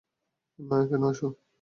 না কেন আসো?